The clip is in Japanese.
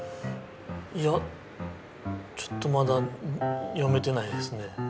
いやちょっとまだ読めてないですね。